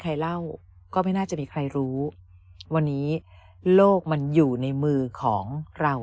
ใครเล่าก็ไม่น่าจะมีใครรู้วันนี้โลกมันอยู่ในมือของเรา